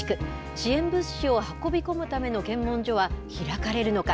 支援物資を運び込むための検問所は開かれるのか。